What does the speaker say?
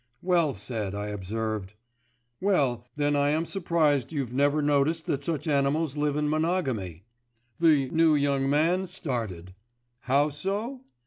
"Well said," I observed. "Well, then I am surprised you've never noticed that such animals live in monogamy." The "new young man" started. "How so?"